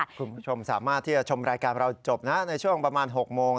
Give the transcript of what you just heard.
คุณผู้ชมสามารถที่จะชมรายการเราจบนะในช่วงประมาณ๖โมง